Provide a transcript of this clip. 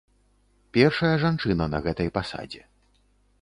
Першая жанчына на гэтай пасадзе.